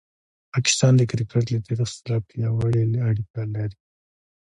پاکستان د کرکټ له تاریخ سره پیاوړې اړیکه لري.